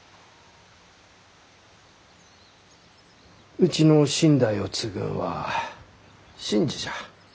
うちの身代を継ぐんは伸治じゃ。